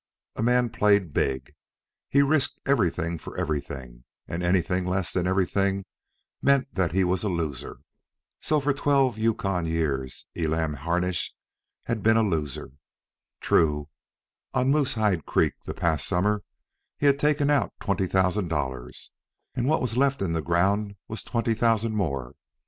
A man played big. He risked everything for everything, and anything less than everything meant that he was a loser. So for twelve Yukon years, Elam Harnish had been a loser. True, on Moosehide Creek the past summer he had taken out twenty thousand dollars, and what was left in the ground was twenty thousand more.